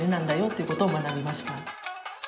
いうことを学びました。